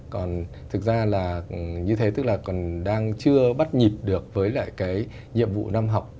còn thực ra là như thế tức là còn đang chưa bắt nhịp được với lại cái nhiệm vụ năm học